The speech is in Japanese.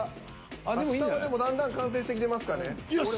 あっ下はでもだんだん完成してきてますかね。よし！